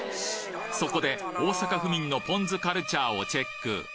そこで大阪府民のポン酢カルチャーをチェック